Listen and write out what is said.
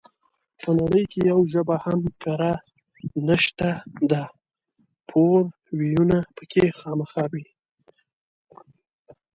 په نړۍ کې يوه ژبه هم کره نشته ده پور وييونه پکې خامخا وي